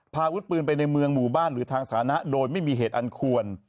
อาวุธปืนไปในเมืองหมู่บ้านหรือทางสาธารณะโดยไม่มีเหตุอันควร